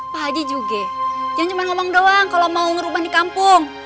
pak haji juga jangan cuma ngomong doang kalau mau ngerubah di kampung